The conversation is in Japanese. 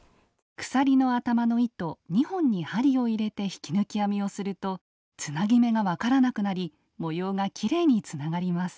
鎖の頭の糸２本に針を入れて引き抜き編みをするとつなぎ目が分からなくなり模様がきれいにつながります。